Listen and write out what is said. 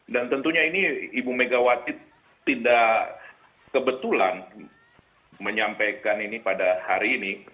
dan tentunya ini ibu megawati tidak kebetulan menyampaikan ini pada hari ini